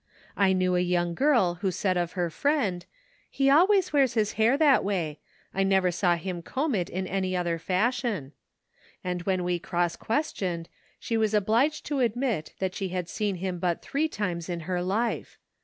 I knew a young girl who said of her friend, *He always wears his hair that way; 1 never saw him comb it in any other fashion,' and when cross questioned she was obliged to admit that slie had seen him but three times in her life.